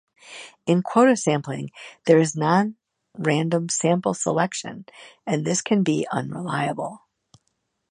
In quota sampling, there is non-random sample selection and this can be unreliable.